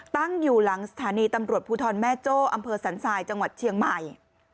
ตั้งอยู่หลังสถานีตำรวจภูทรแม่โจ้อำเภอสันทรายจังหวัดเชียงใหม่